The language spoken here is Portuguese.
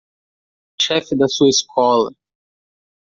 Chefe da sua escola